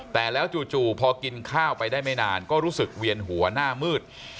แต่แล้วจู่พอกินข้าวไปได้ไม่นานก็รู้สึกเวียนหัวหน้ามืด